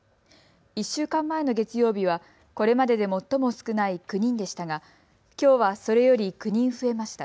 １週間前の月曜日はこれまでで最も少ない９人でしたがきょうはそれより９人増えました。